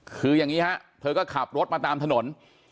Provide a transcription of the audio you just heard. คืออย่างนี้ฮะเธอก็ขับรถมาตามถนน